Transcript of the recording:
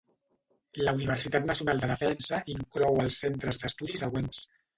La Universitat Nacional de Defensa inclou els centres d'estudi següents.